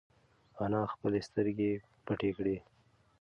انا خپلې سترگې پټې کړې.